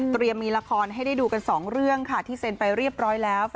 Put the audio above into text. มีละครให้ได้ดูกันสองเรื่องค่ะที่เซ็นไปเรียบร้อยแล้ว